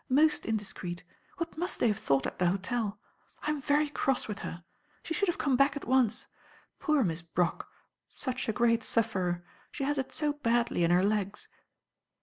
Most indiscreet. What must they have thought at the hotel. I'm very cross with her. She should have come hack at once. Poor Miss Brock. Such a great sufferer. She has it so badly in her legs."